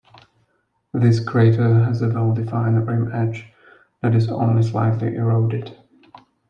This crater has a well-defined rim edge that is only slightly eroded.